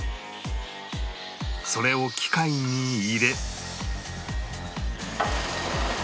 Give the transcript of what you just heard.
それを機械に入れ